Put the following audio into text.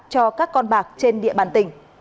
cho các con bạc trên địa bàn tỉnh